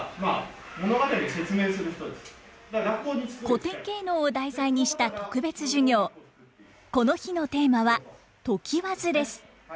古典芸能を題材にした特別授業この日のテーマは「常磐津」です。